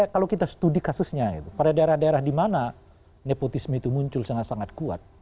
kalau kita studi kasusnya pada daerah daerah di mana nepotisme itu muncul sangat sangat kuat